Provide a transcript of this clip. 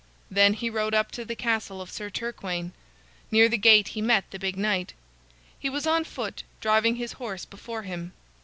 Then he rode up to the castle of Sir Turquaine. Near the gate he met the big knight. He was on foot, driving his horse before him.